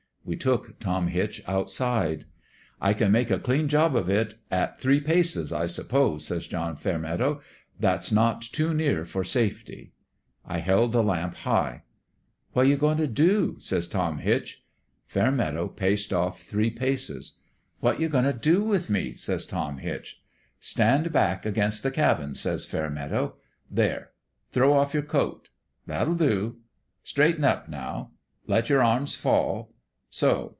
" We took Tom Hitch outside. '"I can make a clean job of it at three paces, I suppose,' says John Fairmeadow. * That's not too near for safety.' " I held the lamp high. "' What you goin' t' do ?' says Tom Hitch. " Fairmeadow paced off three paces. "' What you goin' t' do with me ?' says Tom Hitch. "'Stand back against the cabin,' says Fair meadow. ' There. Throw off your coat. That '11 do. Straighten up now. Let your arms fall. So.